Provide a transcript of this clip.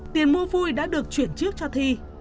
tiền mua vui đã được chuyển trước cho thi